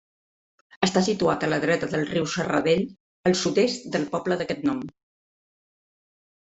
Està situat a la dreta del riu de Serradell, al sud-est del poble d'aquest nom.